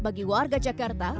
bagi warga jakarta